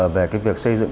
về việc xây dựng